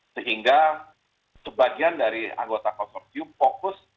sehingga sebagian dari anggota konsorsium fokus